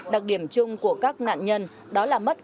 đặc điểm chung của các nạn nhân đó là mất cảnh giá